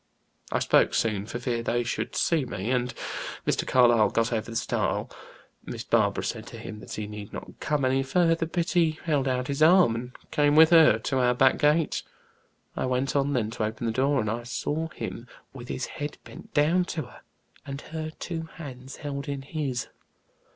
I spoke soon, for fear they should see me, and Mr. Carlyle got over the stile. Miss Barbara said to him that he need not come any further, but he held out his arm, and came with her to our back gate. I went on then to open the door, and I saw him with his head bent down to her, and her two hands held in his.